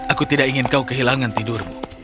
aku tidak ingin kau kehilangan tidurmu